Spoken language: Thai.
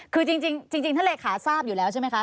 คือจริงเธอร์เละคลาซาบอยู่แล้วใช่มั้ยค่ะ